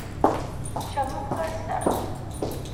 চমৎকার, স্যার।